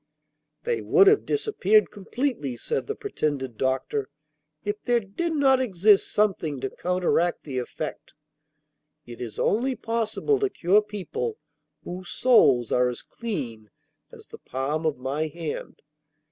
'They would have disappeared completely,' said the pretended doctor, 'if there did not exist something to counteract the effect. It is only possible to cure people whose souls are as clean as the palm of my hand.